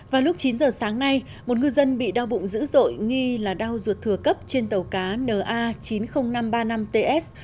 vào lúc chín giờ sáng nay một ngư dân bị đau bụng dữ dội nghi là đau ruột thừa cấp trên tàu cá na chín mươi nghìn năm trăm ba mươi năm ts